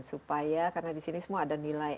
supaya karena di sini semua ada nilai